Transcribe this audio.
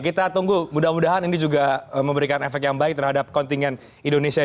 kita tunggu mudah mudahan ini juga memberikan efek yang baik terhadap kontingen indonesia